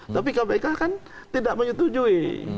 tapi kpk kan tidak menyetujui